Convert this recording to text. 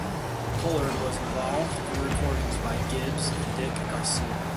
Pollard was involved in recordings by Gibbs and Dick Garcia.